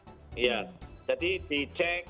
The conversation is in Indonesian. jadi dicek kepalanya masuk tidak harus cesar